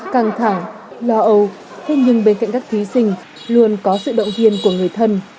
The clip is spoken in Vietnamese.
căng thẳng lo âu thế nhưng bên cạnh các thí sinh luôn có sự động viên của người thân